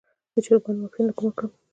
د چرګانو واکسین له کومه کړم؟